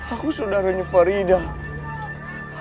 aku saudaranya faridah